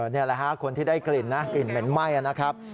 นี่แหละฮะคนที่ได้กลิ่นนะกลิ่นเหม็นไหม้นะครับ